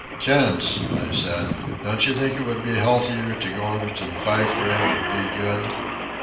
"Chantz!" I said; "don't you think it would be healthier to go over to the fife rail and be good?"